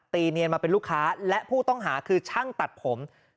เนียนมาเป็นลูกค้าและผู้ต้องหาคือช่างตัดผม